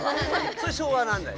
それ昭和なんだよ。